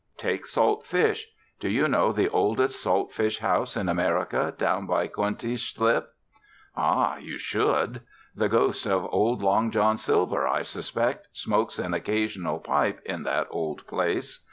Take salt fish. Do you know the oldest salt fish house in America, down by Coenties Slip? Ah! you should. The ghost of old Long John Silver, I suspect, smokes an occasional pipe in that old place.